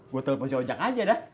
gua telepon si ojak aja dah